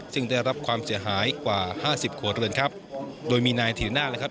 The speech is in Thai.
ซึ่งได้รับความเสียหายกว่าห้าสิบครัวเรือนครับโดยมีนายธีน่านะครับ